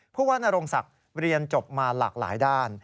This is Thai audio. ผู้ว่านโรงศักดิ์เรียนจบมาหลากหลายด้าน